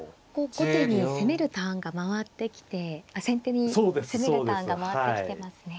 後手に攻めるターンが回ってきてあっ先手に攻めるターンが回ってきてますね。